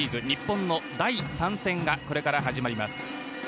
日本の第３戦がこれから始まります。